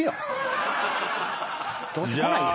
どうせ来ないよ。